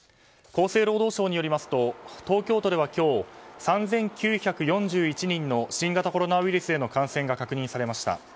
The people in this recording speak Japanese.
厚生労働省によりますと東京都では今日３９４１人の新型コロナウイルスへの感染が確認されました。